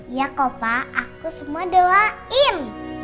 iya kopa aku semua doain